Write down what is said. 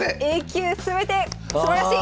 Ａ級全て！